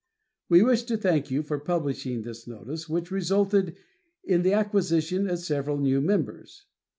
We wish to thank you for publishing this notice, which resulted in the acquisition of several new members.